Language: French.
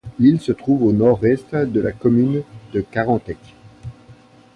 L’île se trouve au nord-est de la commune de Carantec.